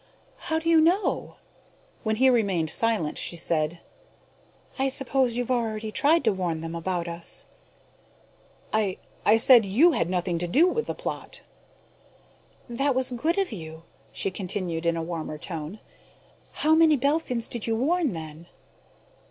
"How do you know?" When he remained silent, she said, "I suppose you've already tried to warn them about us." "I I said you had nothing to do with the plot." "That was good of you." She continued in a warmer tone: "How many Belphins did you warn, then?"